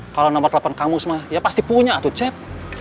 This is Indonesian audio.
kalau nomor telepon kang mus mah ya pasti punya tuh cep